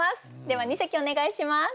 では二席お願いします。